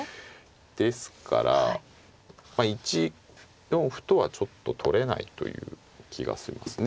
ですから１四歩とはちょっと取れないという気がしますね。